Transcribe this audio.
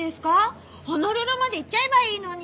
ホノルルまで行っちゃえばいいのに。